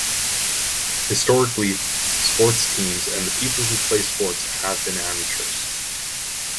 Historically, sports teams and the people who play sports have been amateurs.